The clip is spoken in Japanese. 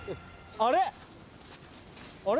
あれ？